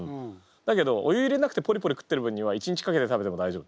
だけどお湯入れなくてポリポリ食ってる分には一日かけて食べても大丈夫。